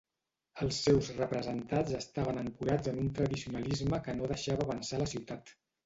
Els seus representats estaven ancorats en un tradicionalisme que no deixava avançar la ciutat.